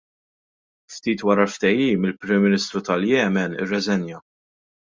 Ftit wara l-ftehim, il-Prim Ministru tal-Yemen irreżenja.